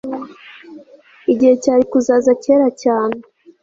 igihe cyari kuzaza kera cyane